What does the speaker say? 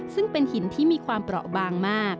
ซึ่งเป็นหินที่มีความเปราะบางมาก